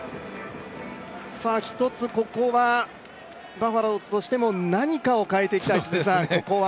一つ、ここはバファローズとしても何かを変えていきたい、ここは。